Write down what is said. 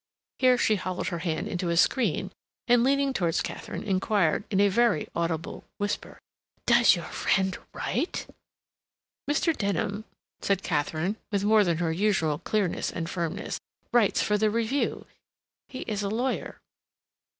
Here she hollowed her hand into a screen, and, leaning towards Katharine, inquired, in a very audible whisper, "Does your friend write?" "Mr. Denham," said Katharine, with more than her usual clearness and firmness, "writes for the Review. He is a lawyer."